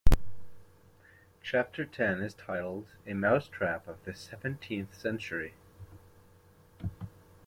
Chapter ten is titled "A Mousetrap of the Seventeenth Century".